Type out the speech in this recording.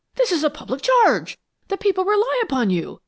This is a public charge! The people rely upon you!